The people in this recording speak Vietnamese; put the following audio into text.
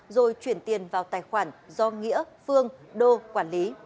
rồi chuyển tiền vào tài khoản do nghĩa phương đô quản lý